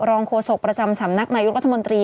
รองโฆษกประจำสำนักนายุทธมนตรี